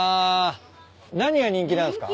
何が人気なんすか？